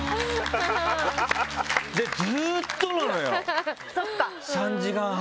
ずーっとなのよ、３時間半。